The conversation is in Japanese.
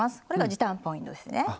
これが時短ポイントですね。